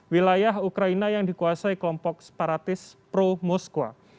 wilayah ukraina yang dikuasai kelompok separatis pro moskwa